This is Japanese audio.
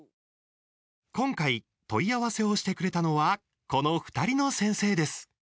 今回問い合わせをしてくれたのはこの２人の先生です。